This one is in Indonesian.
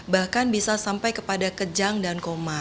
bahkan bisa sampai kepada kejang dan koma